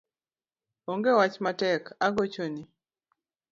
Onge wach matek agochoni